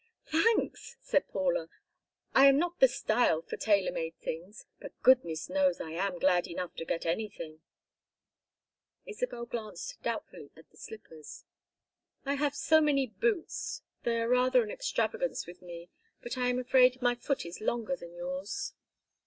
"Thanks!" said Paula. "I am not the style for tailor made things, but goodness knows I am glad enough to get anything." Isabel glanced doubtfully at the slippers. "I have so many boots. They are rather an extravagance with me but I am afraid my foot is longer than yours."